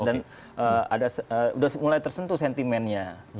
dan udah mulai tersentuh sentimennya